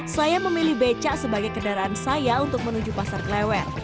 saya memilih becak sebagai kendaraan saya untuk menuju pasar klewer